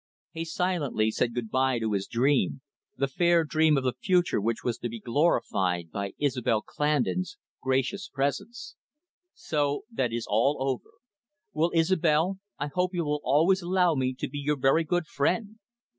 He silently said good bye to his dream, the fair dream of the future which was to be glorified by Isobel Clandon's gracious presence. "So that is all over. Well, Isobel, I hope you will always allow me to be your very good friend."